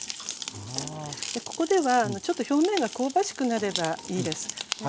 ここではちょっと表面が香ばしくなればいいです。